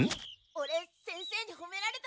オレ先生にほめられたんだ！